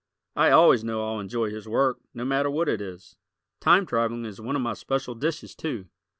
I always know I'll enjoy his work, no matter what it is. Time traveling is one of my special dishes, too.